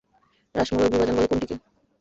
হ্রাসমূলক বিভাজন বলে কোনটিকে?